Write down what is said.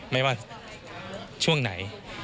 ไม่ว่าช่วงไหน